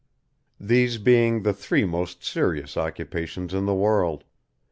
These being the three most serious occupations in the world.